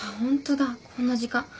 こんな時間。